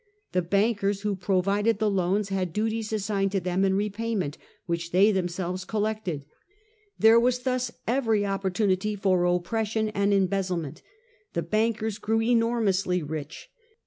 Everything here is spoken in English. The bankers who provided the loans had duties as|igned to them in repayment, which they them 21 1 644 State of Finance. selves collected. There was thus every opportunity for oppression and embezzlement The bankers grew enor mously rich.